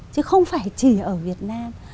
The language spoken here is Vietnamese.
chứ không phải chỉ ở việt nam